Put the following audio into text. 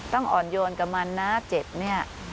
ต้องอ่อนโยนกับมันนะเจ็บเนี่ย